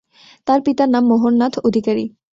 তাঁর পিতার নাম মোহন নাথ অধিকারী।